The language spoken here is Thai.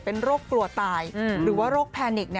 เป็นโรคกลัวตายหรือว่าโรคแพนิก